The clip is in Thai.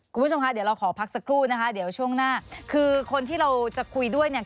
คุณผู้ชมคะเดี๋ยวเราขอพักสักครู่นะคะเดี๋ยวช่วงหน้าคือคนที่เราจะคุยด้วยเนี่ย